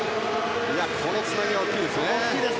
このつなぎは大きいですね。